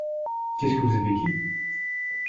Qu’est-ce que vous avez dit ?